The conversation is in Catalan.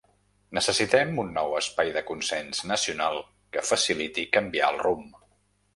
Necessitem un nou espai de consens nacional que faciliti canviar el rumb.